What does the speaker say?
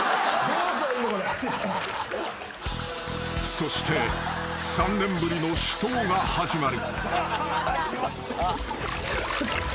［そして３年ぶりの死闘が始まる］